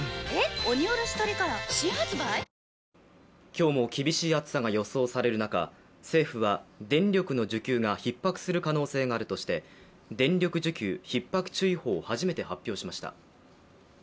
今日も厳しい暑さが予想される中、政府は電力の需給がひっ迫する可能性があるとして電力需給ひっ迫注意報を初めて発表しました。